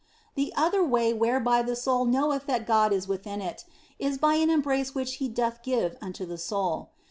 The other way whereby the soul knoweth that God is within it is by an embrace which He doth give unto the soul.